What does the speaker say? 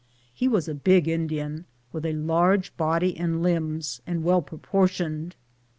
He was a big Indian, with a large body and limbs, and well proportioned.